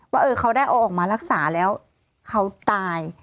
ว่าเขาได้เอาออกมารักษาแล้วเขาตาย